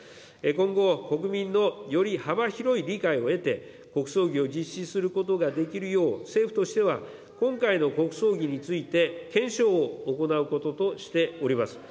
今後、国民のより幅広い理解を得て、国葬儀を実施することができるよう、政府としては今回の国葬儀について、検証を行うこととしております。